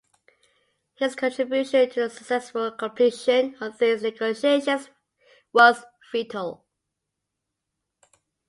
His contribution to the successful completion of these negotiations was vital.